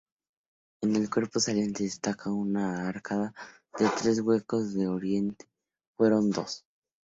En el cuerpo saliente destaca una arcada de tres huecos que originariamente fueron dos.